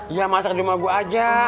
iya masak di rumah gue aja